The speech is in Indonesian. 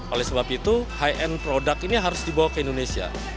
oleh sebab itu high end product ini harus dibawa ke indonesia